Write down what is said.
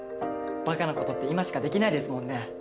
バカなことって今しかできないですもんね。